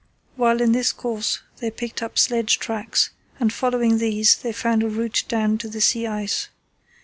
While in this course they picked up sledge tracks, and, following these, they found a route down to the sea ice.